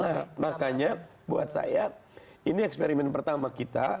jadi makanya buat saya ini eksperimen pertama kita